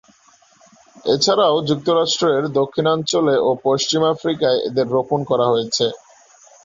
এছাড়াও যুক্তরাষ্ট্রের দক্ষিণাঞ্চলে ও পশ্চিম আফ্রিকায় এদের রোপন করা হয়েছে।